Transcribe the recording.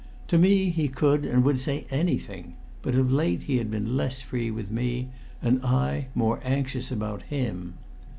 To me he could and would say anything, but of late he had been less free with me and I more anxious about him.